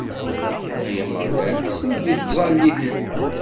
Ay Ameɣlal, sel-d i tẓallit-iw!